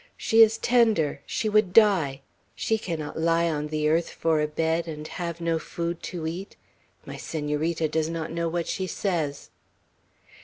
She is tender; she would die; she cannot lie on the earth for a bed, and have no food to eat. My Senorita does not know what she says."